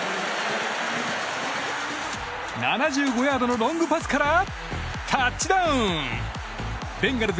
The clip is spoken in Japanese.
７５ヤードのロングパスからタッチダウン！